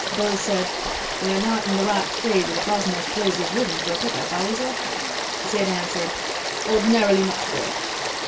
Beau said, "We're not in the right phase of the cosmos Places rhythm for a pick up, are we, sir?" Sid answered, "Ordinarily not, boy."